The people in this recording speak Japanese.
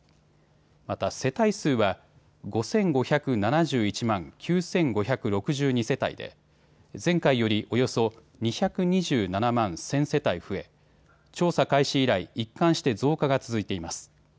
また世帯数は５５７１万９５６２世帯で前回よりおよそ２２７万１０００世帯増え、調査開始以来、一貫して増加が続いています。